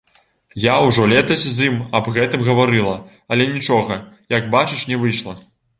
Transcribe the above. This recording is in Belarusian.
Я ўжо летась з ім аб гэтым гаварыла, але нічога, як бачыш, не выйшла.